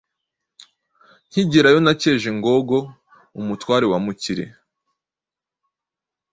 Nkigerayo nakeje Ngogo umutware wa Mukire